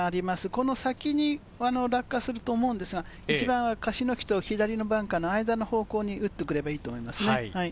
この先に落下すると思うんですが、樫の木と左のバンカーの間の方向に打ってくればいいと思います。